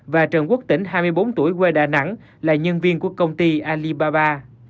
và trần quốc tỉnh hai mươi bốn tuổi quê đà nẵng là nhân viên của công ty alibaba